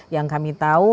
yang kami tahu